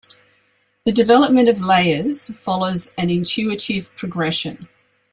The development of layers follows an intuitive progression.